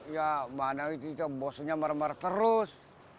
ya mana itu bosnya marah marah terus